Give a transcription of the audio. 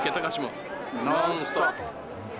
「ノンストップ！」。